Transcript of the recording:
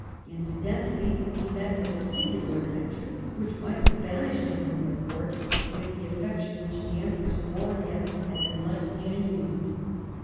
Incidentally he met with a singular adventure, which might have banished him from the Court, if the affection which the Empress bore him had been less genuine.